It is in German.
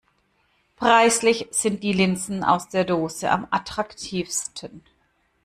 Preislich sind die Linsen aus der Dose am attraktivsten.